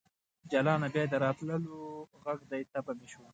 جلانه ! بیا یې د راتللو غږ دی تبه مې شوه